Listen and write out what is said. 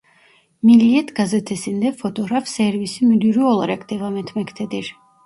Milliyet gazetesinde Fotoğraf Servisi Müdürü olarak devam etmektedir.